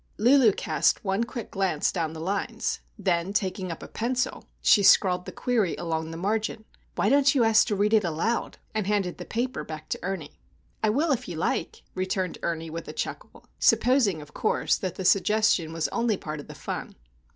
Lulu cast one quick glance down the lines. Then, taking up a pencil, she scrawled the query along the margin,—"Why don't you ask to read it aloud?" And handed the paper back to Ernie. "I will, if you like," returned Ernie with a chuckle; supposing, of course, that the suggestion was only part of the fun.